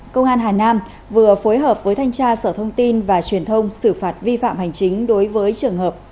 công an hà nam vừa phối hợp với thanh tra sở thông tin và truyền thông xử phạt vi phạm hành chính đối với trường hợp